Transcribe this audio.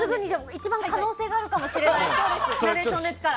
一番可能性があるかもしれないナレーションですから。